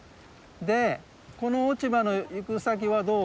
でこの落ち葉の行く先はどう？